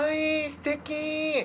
すてき。